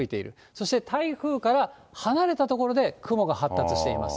そして台風から離れた所で雲が発達しています。